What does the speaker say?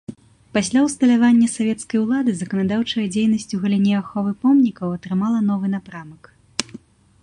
Пасля ўсталявання савецкай улады заканадаўчая дзейнасць у галіне аховы помнікаў атрымала новы напрамак.